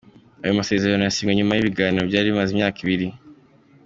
Ayo masezerano yasinywe nyuma y’ibiganiro byari bimaze imyaka ibiri.